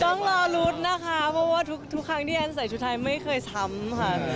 ต้องรอลุ้นนะคะเพราะว่าทุกครั้งที่แอนใส่ชุดไทยไม่เคยช้ำค่ะ